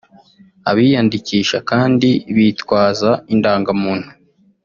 Abiyandikisha kandi bitwaza indangamuntu